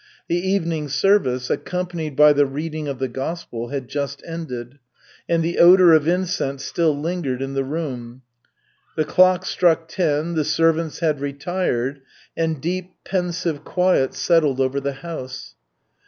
The evening service, accompanied by the reading of the gospel, had just ended, and the odor of incense still lingered in the room. The clock struck ten, the servants had retired, and deep, pensive quiet settled over the house.